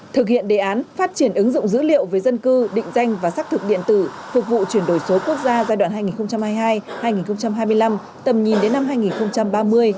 thực hiện đề án phát triển ứng dụng dữ liệu về dân cư định danh và xác thực điện tử phục vụ chuyển đổi số quốc gia giai đoạn hai nghìn hai mươi hai hai nghìn hai mươi năm tầm nhìn đến năm hai nghìn ba mươi